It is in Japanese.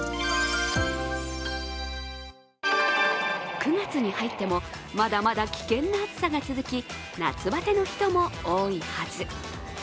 ９月に入っても、まだまだ危険な暑さが続き、夏バテの人も多いはず。